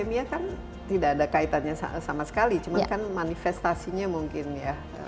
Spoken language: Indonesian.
anemia dan thalassemia kan tidak ada kaitannya sama sekali cuman kan manifestasinya mungkin ya